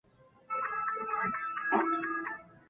但是到时候你努力到死